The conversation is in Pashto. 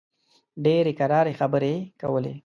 ډېرې کراري خبرې کولې.